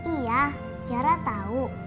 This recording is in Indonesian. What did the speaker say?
iya kakek tahu